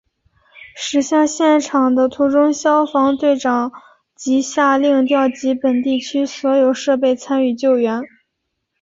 驶向现场的途中消防队长即下令调集本地区所有设备参与救援。